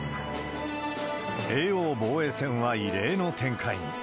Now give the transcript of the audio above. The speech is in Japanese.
叡王防衛戦は異例の展開に。